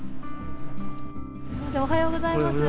おはようございます。